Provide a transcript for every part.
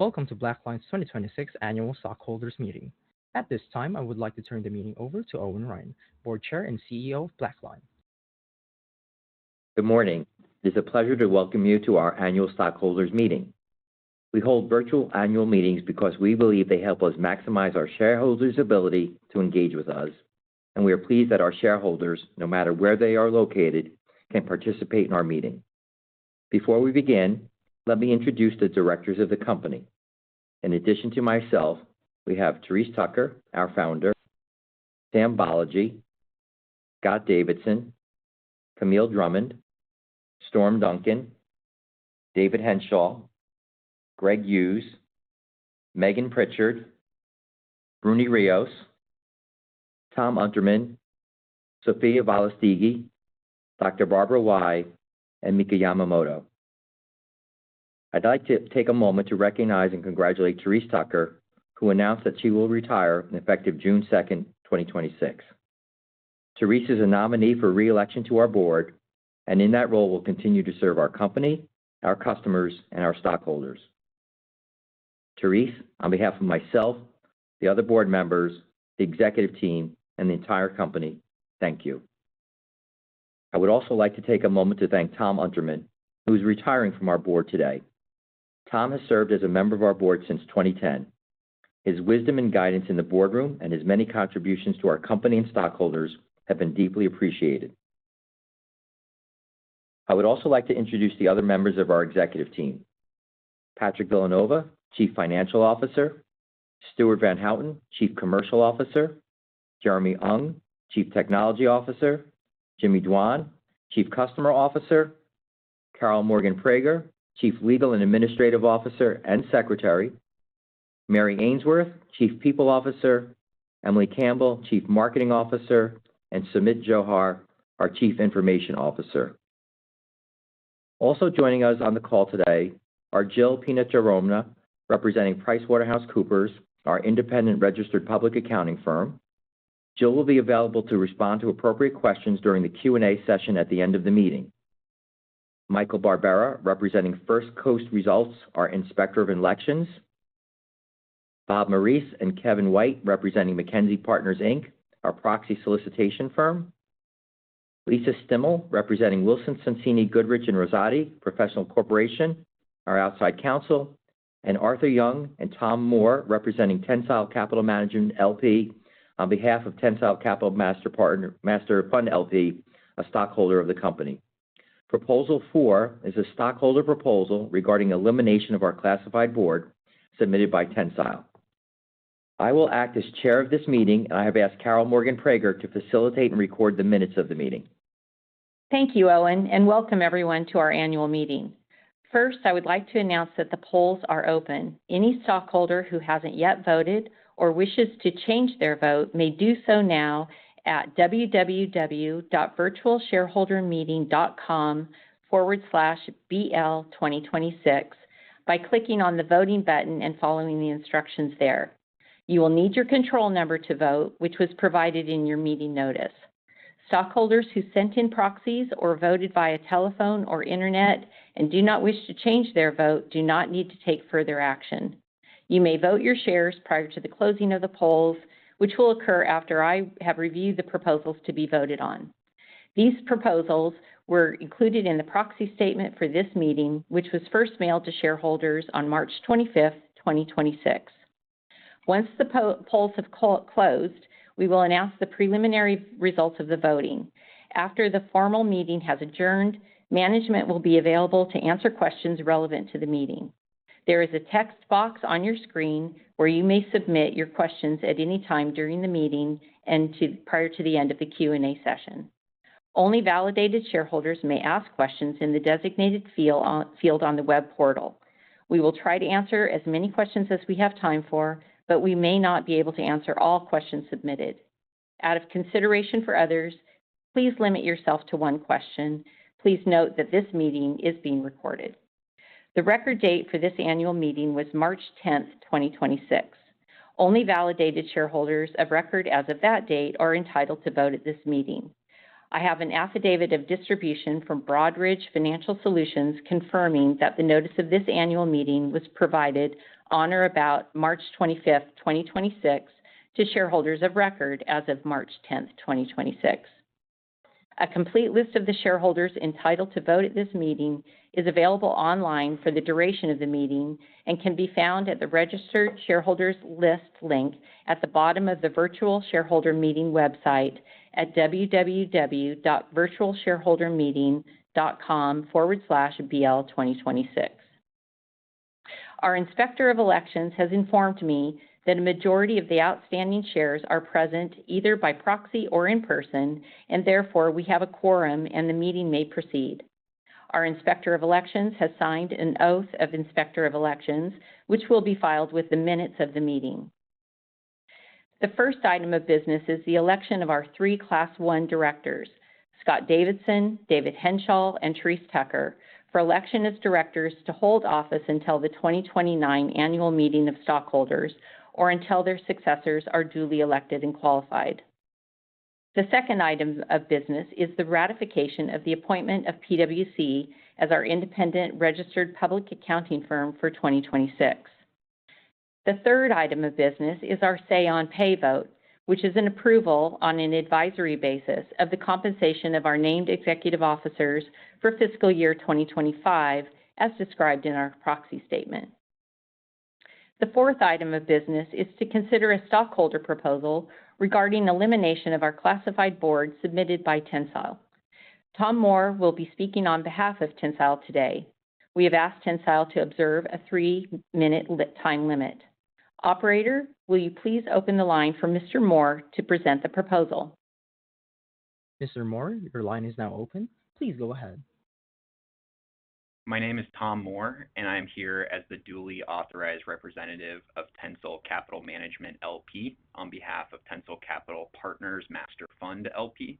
Welcome to BlackLine's 2026 Annual Stockholders Meeting. At this time, I would like to turn the meeting over to Owen Ryan, Board Chair and CEO of BlackLine. Good morning. It is a pleasure to welcome you to our Annual Stockholders Meeting. We hold virtual annual meetings because we believe they help us maximize our shareholders' ability to engage with us, and we are pleased that our shareholders, no matter where they are located, can participate in our meeting. Before we begin, let me introduce the directors of the company. In addition to myself, we have Therese Tucker, our founder; Sam Bolaji, Scott Davidson, Camille Drummond, Storm Duncan, David Henshall, Greg Hughes, Megan Prichard, Bruny Rios, Tom Unterman, Sophia Velastegui, Dr. Barbara Whye, and Mika Yamamoto. I'd like to take a moment to recognize and congratulate Therese Tucker, who announced that she will retire effective June 2nd, 2026. Therese is a nominee for re-election to our board, and in that role will continue to serve our company, our customers, and our stockholders. Therese, on behalf of myself, the other board members, the executive team, and the entire company, thank you. I would also like to take a moment to thank Tom Unterman, who is retiring from our board today. Tom has served as a member of our board since 2010. His wisdom and guidance in the boardroom and his many contributions to our company and stockholders have been deeply appreciated. I would also like to introduce the other members of our executive team. Patrick Villanova, Chief Financial Officer; Stuart Van Houten, Chief Commercial Officer; Jeremy Ung, Chief Technology Officer; Jimmy Duan, Chief Customer Officer; Karole Morgan-Prager, Chief Legal and Administrative Officer and Secretary; Mary Ainsworth, Chief People Officer; Emily Campbell, Chief Marketing Officer; and Sumit Johar, our Chief Information Officer. Also joining us on the call today are Jill Pina Jarumna, representing PricewaterhouseCoopers, our independent registered public accounting firm. Jill will be available to respond to appropriate questions during the Q&A session at the end of the meeting. Michael Barbera, representing First Coast Results, our Inspector of Elections; Robert Marese and Kevin White, representing MacKenzie Partners, Inc., our proxy solicitation firm; Lisa Stimmell, representing Wilson Sonsini Goodrich & Rosati, professional corporation, our outside counsel; Arthur Young and Tom Moore, representing Tensile Capital Management, L.P., on behalf of Tensile Capital Master Fund, L.P., a stockholder of the company. Proposal four is a stockholder proposal regarding elimination of our classified board submitted by Tensile. I will act as chair of this meeting, and I have asked Karole Morgan-Prager to facilitate and record the minutes of the meeting. Thank you, Owen, and welcome everyone to our annual meeting. First, I would like to announce that the polls are open. Any stockholder who hasn't yet voted or wishes to change their vote may do so now at www.virtualshareholdermeeting.com/bl2026 by clicking on the voting button and following the instructions there. You will need your control number to vote, which was provided in your meeting notice. Stockholders who sent in proxies or voted via telephone or internet and do not wish to change their vote do not need to take further action. You may vote your shares prior to the closing of the polls, which will occur after I have reviewed the proposals to be voted on. These proposals were included in the proxy statement for this meeting, which was first mailed to shareholders on March 25th, 2026. Once the polls have closed, we will announce the preliminary results of the voting. After the formal meeting has adjourned, management will be available to answer questions relevant to the meeting. There is a text box on your screen where you may submit your questions at any time during the meeting prior to the end of the Q&A session. Only validated shareholders may ask questions in the designated field on the web portal. We will try to answer as many questions as we have time for, but we may not be able to answer all questions submitted. Out of consideration for others, please limit yourself to one question. Please note that this meeting is being recorded. The record date for this annual meeting was March 10th, 2026. Only validated shareholders of record as of that date are entitled to vote at this meeting. I have an affidavit of distribution from Broadridge Financial Solutions confirming that the notice of this annual meeting was provided on or about March 25th, 2026 to shareholders of record as of March 10th, 2026. A complete list of the shareholders entitled to vote at this meeting is available online for the duration of the meeting and can be found at the registered shareholders list link at the bottom of the virtual shareholder meeting website at www.virtualshareholdermeeting.com/bl2026. Our Inspector of Elections has informed me that a majority of the outstanding shares are present either by proxy or in person, and therefore, we have a quorum, and the meeting may proceed. Our Inspector of Elections has signed an oath of Inspector of Elections, which will be filed with the minutes of the meeting. The first item of business is the election of our three Class 1 directors, Scott Davidson, David Henshall, and Therese Tucker, for election as directors to hold office until the 2029 annual meeting of stockholders or until their successors are duly elected and qualified. The second item of business is the ratification of the appointment of PwC as our independent registered public accounting firm for 2026. The third item of business is our say on pay vote, which is an approval on an advisory basis of the compensation of our named executive officers for fiscal year 2025, as described in our proxy statement. The fourth item of business is to consider a stockholder proposal regarding elimination of our classified board submitted by Tensile. Tom Moore will be speaking on behalf of Tensile today. We have asked Tensile to observe a three-minute time limit. Operator, will you please open the line for Mr. Moore to present the proposal? Mr. Moore, your line is now open. Please go ahead. My name is Tom Moore, and I am here as the duly authorized representative of Tensile Capital Management, L.P. on behalf of Tensile Capital Partners Master Fund, L.P.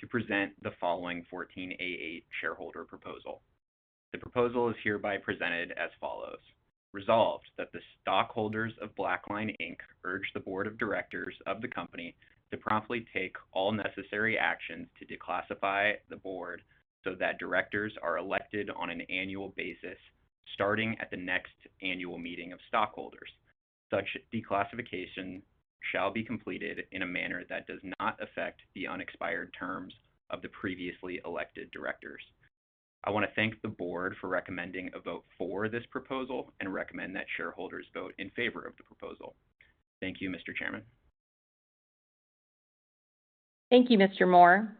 to present the following 14a-8 shareholder proposal. The proposal is hereby presented as follows. Resolved that the stockholders of BlackLine, Inc. urge the Board of Directors of the Company to promptly take all necessary actions to declassify the Board so that directors are elected on an annual basis starting at the next annual meeting of stockholders. Such declassification shall be completed in a manner that does not affect the unexpired terms of the previously elected directors. I wanna thank the Board for recommending a vote for this proposal and recommend that shareholders vote in favor of the proposal. Thank you, Mr. Chairman. Thank you, Mr. Moore.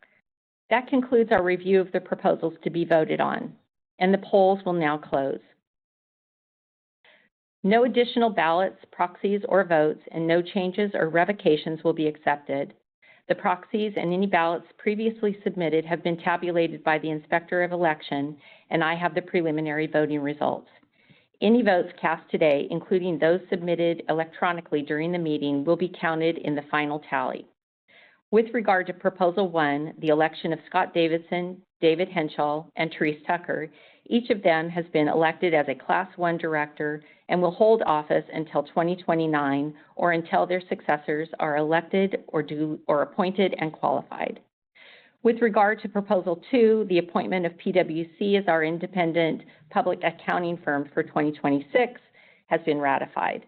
That concludes our review of the proposals to be voted on, the polls will now close. No additional ballots, proxies or votes, no changes or revocations will be accepted. The proxies and any ballots previously submitted have been tabulated by the Inspector of Election, I have the preliminary voting results. Any votes cast today, including those submitted electronically during the meeting, will be counted in the final tally. With regard to proposal one, the election of Scott Davidson, David Henshall, and Therese Tucker, each of them has been elected as a class 1 director and will hold office until 2029 or until their successors are elected or due or appointed and qualified. With regard to proposal two, the appointment of PwC as our independent public accounting firm for 2026 has been ratified.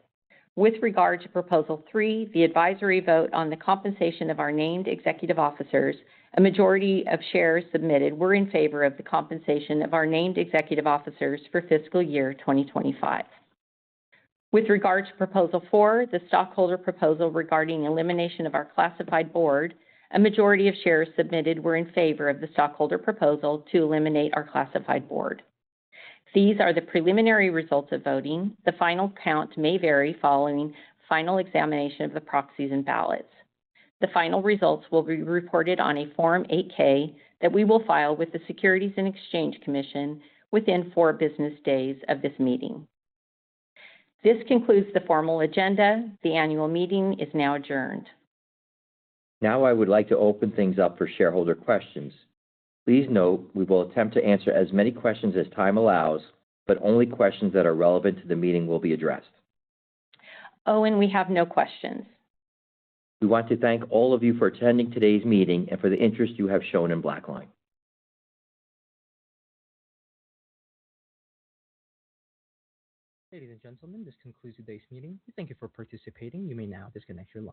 With regard to proposal three, the advisory vote on the compensation of our named executive officers, a majority of shares submitted were in favor of the compensation of our named executive officers for fiscal year 2025. With regard to proposal four, the stockholder proposal regarding elimination of our classified board, a majority of shares submitted were in favor of the stockholder proposal to eliminate our classified board. These are the preliminary results of voting. The final count may vary following final examination of the proxies and ballots. The final results will be reported on a Form 8-K that we will file with the Securities and Exchange Commission within four business days of this meeting. This concludes the formal agenda. The annual meeting is now adjourned. I would like to open things up for shareholder questions. Please note we will attempt to answer as many questions as time allows, but only questions that are relevant to the meeting will be addressed. Owen, we have no questions. We want to thank all of you for attending today's meeting and for the interest you have shown in BlackLine. Ladies and gentlemen, this concludes today's meeting. We thank you for participating. You may now disconnect your line.